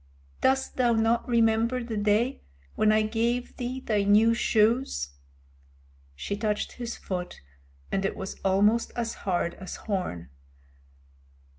"Dost thou not remember the day when I gave thee thy new shoes?" She touched his foot, and it was almost as hard as horn.